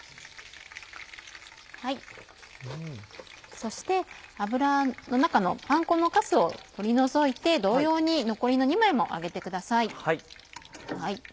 そして油の中のパン粉のカスを取り除いて同様に残りの２枚も揚げてください。